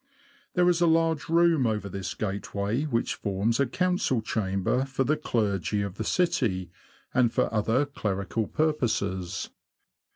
There is a large room over this gateway, which forms a council chamber for the clergy of the city, and for other clerical purposes.